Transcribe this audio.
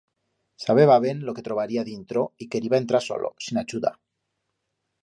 Sabeba ben lo que se trobaría dintro y queriba entrar solo, sin achuda.